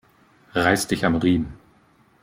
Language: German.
Reiß dich am Riemen!